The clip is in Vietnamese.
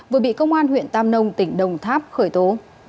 vừa bị công an huyện tam nông tỉnh đồng tháp khởi tố